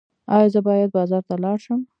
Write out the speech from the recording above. ایا زه باید بازار ته لاړ شم؟